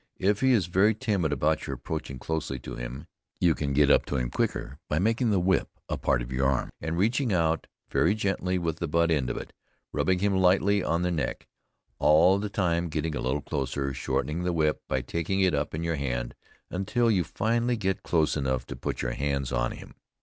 If he is very timid about your approaching closely to him, you can get up to him quicker by making the whip a part of your arm, and reaching out very gently with the but end of it, rubbing him lightly on the neck, all the time getting a little closer, shortening the whip by taking it up in your hand, until you finally get close enough to put your hands on him.